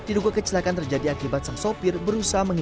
itu menghindari masuk sini nabrak ini